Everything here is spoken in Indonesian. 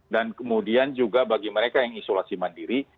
dan kemudian juga bagi mereka yang isolasi mandiri